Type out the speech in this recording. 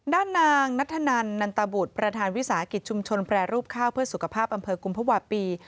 ด้านนางนัทธนันนันตบุตรประธานวิสาหกิจชุมชนแปรรูปข้าวเพื่อสุขภาพอำเภอกุมภาวะปี